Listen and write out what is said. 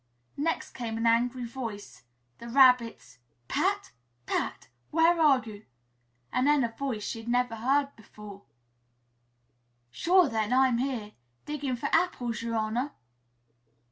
Next came an angry voice the Rabbit's "Pat! Pat! Where are you?" And then a voice she had never heard before, "Sure then, I'm here! Digging for apples, yer honor!"